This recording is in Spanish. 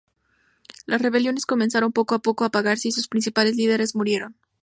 Las rebeliones comenzaron poco a poco a apagarse y sus principales líderes murieron.